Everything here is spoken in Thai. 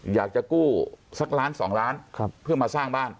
อยากจะกู้สักล้าน๒ล้านเพื่อมาสร้างบ้าน